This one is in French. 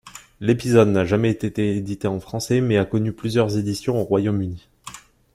L'épisode n'a jamais été édité en français, mais a connu plusieurs éditions au Royaume-Uni.